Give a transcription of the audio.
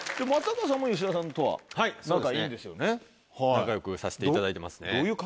仲良くさせていただいてますね。